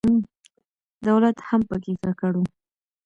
دولت هم په کې ککړ و.